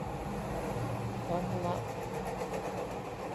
ครั้งละ